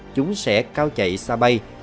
chúng sẽ cao chạy xa bay